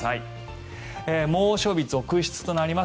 猛暑日続出となります。